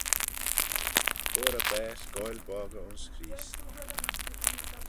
Hooar eh baase goaill boggey ayns Creest.